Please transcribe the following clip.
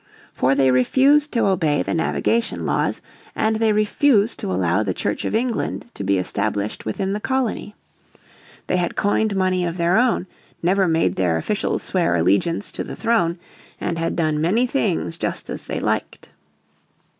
For they refused to obey the Navigation Laws, and they refused to allow the Church of England to be established within the colony. They had coined money of their own, never made their officials swear allegiance to the throne, and had done many things just as they liked.